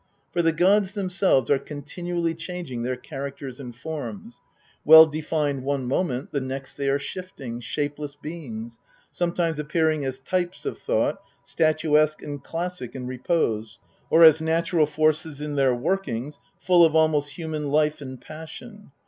For the gods themselves are continually changing their characters and forms ; well defined one moment, the next they are shifting, shapeless beings, sometimes appearing as types of thought, statuesque and classic in repose, or as natural forces in tKeir workings, full of almost human life and passion.